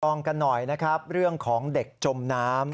องกันหน่อยนะครับเรื่องของเด็กจมน้ำ